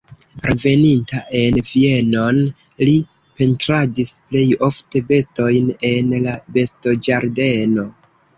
Reveninta en Vienon li pentradis plej ofte bestojn en la bestoĝardeno.